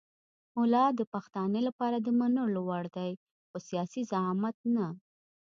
ملا د پښتانه لپاره د منلو وړ دی خو سیاسي زعامت نه.